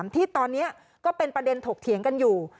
ที่ตอนนี้ก็เป็นประเด็นถกเถียงกันอยู่